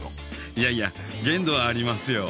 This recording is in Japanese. いやいや限度はありますよ。